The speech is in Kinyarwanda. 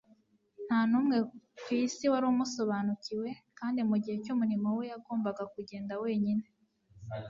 Nta n'umwe ku isi wari umusobanukiwe, kandi mu gihe cy'umurimo we yagombaga kugenda wenyine